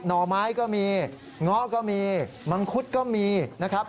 ห่อไม้ก็มีเงาะก็มีมังคุดก็มีนะครับ